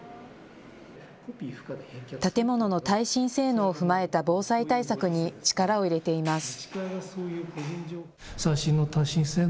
建物の耐震性能を踏まえた防災対策に力を入れています。